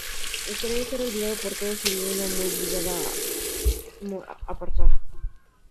Cree ser olvidado por todos y vive una vida muy apartada.